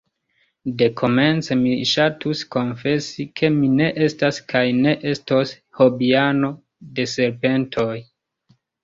Dekomence mi ŝatus konfesi, ke mi ne estas kaj ne estos hobiano de serpentoj.